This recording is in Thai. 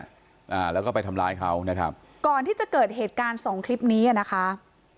อ่าแล้วก็ไปทำร้ายเขานะครับก่อนที่จะเกิดเหตุการณ์สองคลิปนี้อ่ะนะคะ